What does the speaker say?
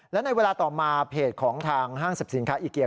แล้วในเวลาต่อมาเพจของทางห้างศัพท์สินค้าอิเกียร์